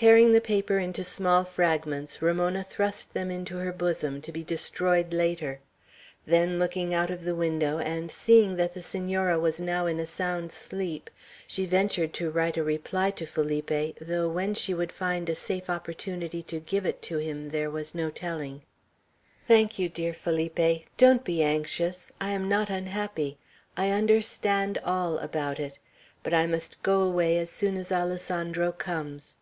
Tearing the paper into small fragments, Ramona thrust them into her bosom, to be destroyed later. Then looking out of the window, and seeing that the Senora was now in a sound sleep, she ventured to write a reply to Felipe, though when she would find a safe opportunity to give it to him, there was no telling. "Thank you, dear Felipe. Don't be anxious. I am not unhappy. I understand all about it. But I must go away as soon as Alessandro comes."